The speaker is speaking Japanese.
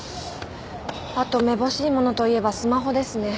あとめぼしいものといえばスマホですね。